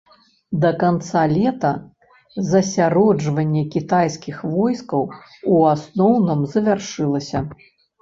Да канца лета засяроджванне кітайскіх войскаў у асноўным завяршылася.